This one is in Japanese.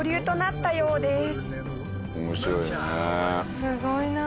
すごいなあ。